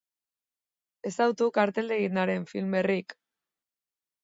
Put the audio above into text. Ezagutu karteldegian dauden film berriak.